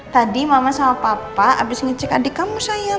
tadi mama sama papa abis ngecek adik kamu sayang